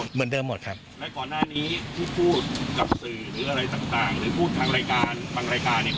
เหมือนเดิมหมดครับ